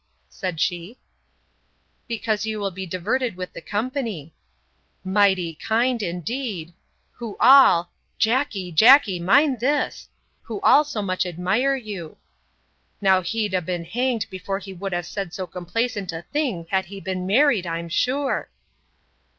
[said she]—Because you will be diverted with the company;—'Mighty kind, indeed!'—who all—'Jackey, Jackey, mind this,'—who all so much admire you. 'Now he'd ha' been hanged before he would have said so complaisant a thing, had he been married, I'm sure!